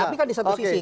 tapi kan di satu sisi